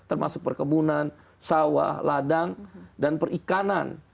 termasuk perkebunan sawah ladang dan perikanan